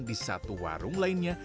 di satu warung lainnya